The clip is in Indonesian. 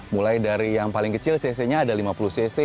mulai dari yang paling kecil cc nya ada lima puluh cc